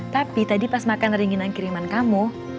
tapi tadi pas makan ringinan kiriman kamu